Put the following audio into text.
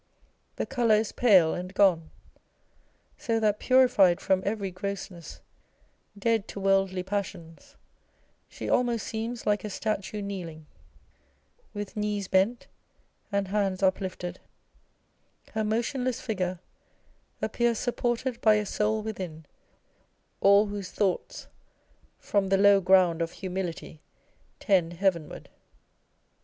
The colour is pale and gone ; so that purified from every gro^sness, dead to worldly passions, she almost seems like a statue kneeling. With knees bent, and hands uplifted, her motionless figure appears supported by a soul within, all whose thoughts, [> Act iii. sc. 4; Dyce's edit. 1868, vii. 431.] 398 On a Portrait ly Vandyke. from the low ground of humility, tend heavenward.